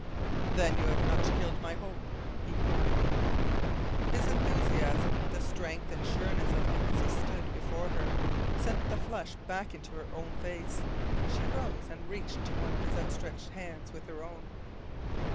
"Then you have not killed my hope!" he cried. His enthusiasm, the strength and sureness of him as he stood before her, sent the flush back into her own face. She rose, and reached to one of his outstretched hands with her own.